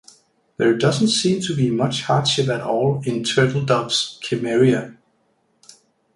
There doesn't seem to be much hardship at all in Turtledove's Cimmeria.